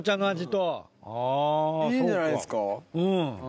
いいんじゃないですか？